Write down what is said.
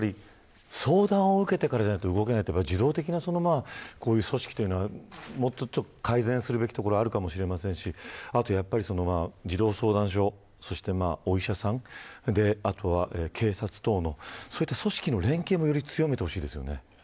相談を受けてからじゃないと動けないというか受動的な組織というのはもうちょっと改善すべきところはあるかもしれませんしあとは児童相談所お医者さん、あとは警察等のそういった組織の連携もより強めてほしいですよね。